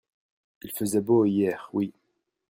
Il faisait beau hier. Oui.